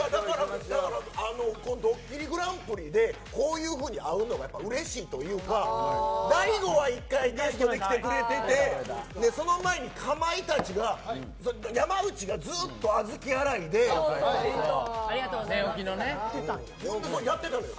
「ドッキリＧＰ」でこういうふうに会うのがやっぱりうれしいというか大悟は１回ゲストで来てくれていてその前にかまいたちが、山内がずっと小豆洗いでやってたのよ。